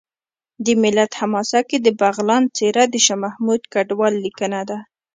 د ملت حماسه کې د بغلان څېره د شاه محمود کډوال لیکنه ده